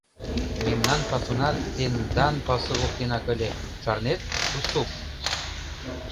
— Мемнан пасуна тендан пасу воктенак ыле, шарнет, Уссуп?